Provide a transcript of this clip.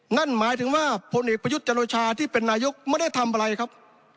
นั่นหมายถึงว่าพลเอกประยุทธ์จันโอชาที่เป็นนายกไม่ได้ทำอะไรครับ